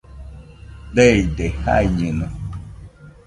Deide, jaiñeno.